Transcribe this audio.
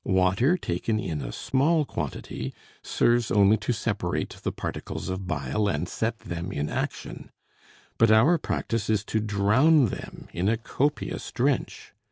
Water taken in a small quantity serves only to separate the particles of bile and set them in action; but our practise is to drown them in a copious drench.